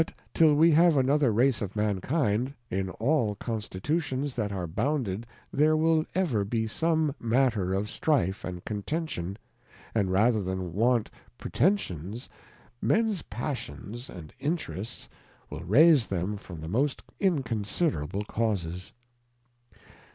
_,tilL we have another race of Mankind, in all Constitution^^Jhat are bounded there will ever be some matter of Strife and Contention, and rather than want pretensions. Mens Passions and Interests will raise them from the most inconsiderable Causes.